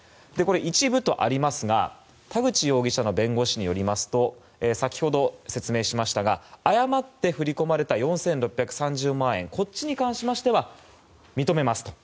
一部とありますが田口容疑者の弁護士によりますと先ほど説明しましたが誤って振り込まれた４６３０万円こっちに関しては認めますと。